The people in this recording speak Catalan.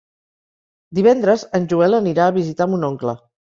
Divendres en Joel anirà a visitar mon oncle.